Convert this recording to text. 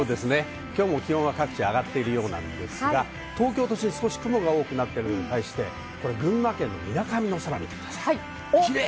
今日も気温が各地上がっているんですが、東京都心、少し雲が多くなっているのに対して、群馬県の水上の空を見てください。